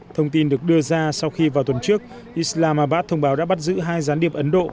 thông tin được đưa ra sau khi vào tuần trước islamabad thông báo đã bắt giữ hai gián điệp ấn độ